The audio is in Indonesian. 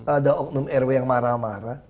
ada oknum rw yang marah marah